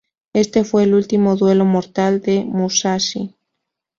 Éste fue el último duelo mortal de Musashi.